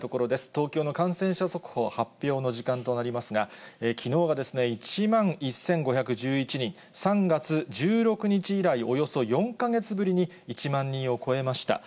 東京の感染者速報発表の時間となりますが、きのうが１万１５１１人、３月１６日以来、およそ４か月ぶりに１万人を超えました。